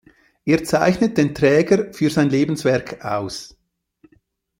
Er zeichnet den Träger für sein Lebenswerk aus.